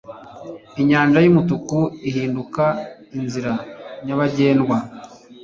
inyanja y'umutuku ihinduka inzira nyabagendwa